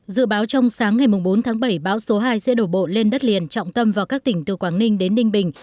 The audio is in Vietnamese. dự báo trong sáng ngày bốn tháng bảy bão số hai sẽ đổ bộ lên đất liền trọng tâm vào các tỉnh từ quảng ninh đến ninh bình